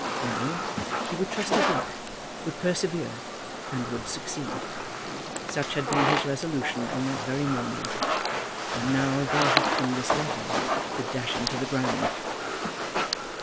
No; he would trust his luck, would persevere, and would succeed. Such had been his resolution on that very morning, and now there had come this letter to dash him to the ground.